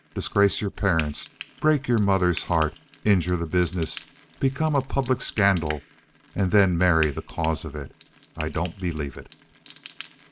Disgrace your parents, break your mother's heart, injure the business, become a public scandal, and then marry the cause of it? I don't believe it."